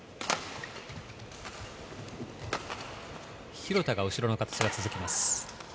廣田が後ろの形が続きます。